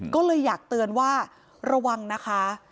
ก็เลยอยากเตือนว่าระวังนะคะ